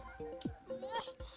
timur tak apa